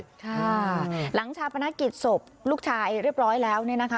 ค่ะหลังชาปนกิจศพลูกชายเรียบร้อยแล้วเนี่ยนะคะ